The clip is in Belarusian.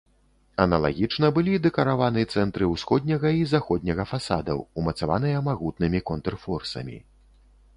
Аналагічна былі дэкараваны цэнтры ўсходняга і заходняга фасадаў, умацаваныя магутнымі контрфорсамі.